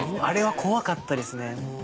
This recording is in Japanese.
あれは怖かったですね。